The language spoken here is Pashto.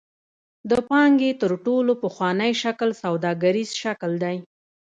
د پانګې تر ټولو پخوانی شکل سوداګریز شکل دی.